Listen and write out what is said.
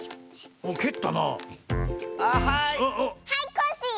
はいコッシー！